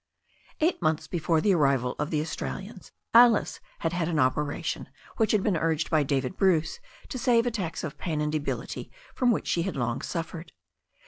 Eight months before the arrival of the Australians Alice had had an operation which had been urged by David Bruce to save attacks of pain and debility from which she had long suffered.